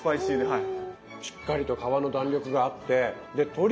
はい。